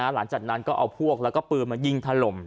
หลังจากนั้นก็เอาพวกแล้วก็ปืนมายิงถล่ม